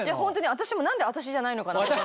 私も何で私じゃないのかな？と。